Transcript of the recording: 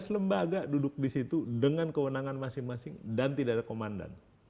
lima belas lembaga duduk di situ dengan kewenangan masing masing dan tidak ada komandan